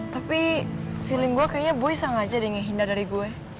tapi feeling gue kayaknya boy sang aja deh ngehindar dari gue